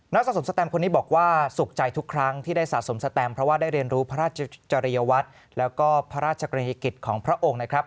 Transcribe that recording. สะสมสแตมคนนี้บอกว่าสุขใจทุกครั้งที่ได้สะสมสแตมเพราะว่าได้เรียนรู้พระราชจริยวัตรแล้วก็พระราชกรีกิจของพระองค์นะครับ